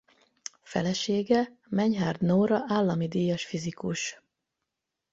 Felesége Menyhárd Nóra állami díjas fizikus.